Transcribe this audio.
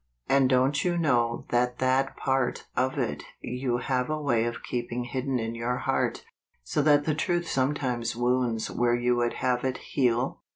,,, And don't you know that that part of it you have a way of keep¬ ing hidden in your heart, so that the truth sometimes wounds where you would have it heal